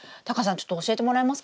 ちょっと教えてもらえますか？